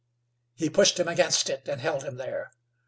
He pushed him against it, and held him there.